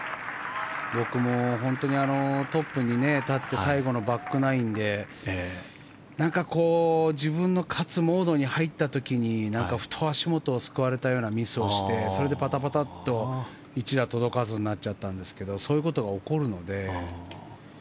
僕も、本当にトップに立って最後のバックナインでなんかこう、自分の勝つモードに入った時にふと足元をすくわれたようなミスをしてそれでパタパタッと一打届かずになっちゃったんですけどそういうことが起こるので。